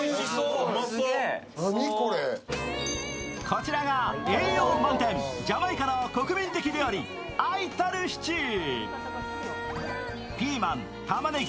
こちらが栄養満点、ジャマイカの国民的料理、アイタルシチュー。